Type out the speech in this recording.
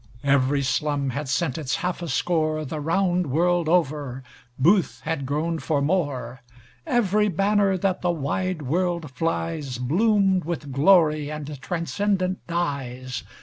(Banjos)Every slum had sent its half a scoreThe round world over. (Booth had groaned for more.)Every banner that the wide world fliesBloomed with glory and transcendent dyes.